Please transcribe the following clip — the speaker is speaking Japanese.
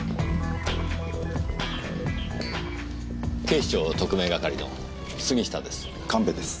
警視庁特命係の杉下です。